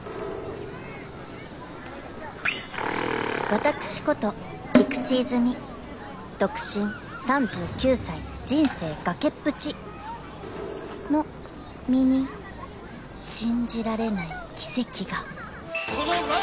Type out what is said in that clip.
［私こと菊池いづみ独身３９歳人生崖っぷちの身に信じられない奇跡が］